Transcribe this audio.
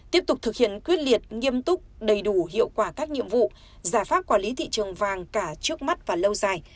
tiếp tục thực hiện quyết liệt nghiêm túc đầy đủ hiệu quả các nhiệm vụ giải pháp quản lý thị trường vàng cả trước mắt và lâu dài